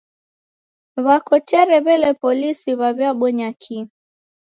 W'akotere w'ele polisi w'awiabonya kii?